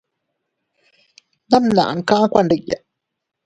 Namnaʼan kaʼa kuandiya.